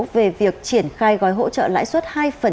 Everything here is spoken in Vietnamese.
về việc triển khai gói hỗ trợ lãi suất hai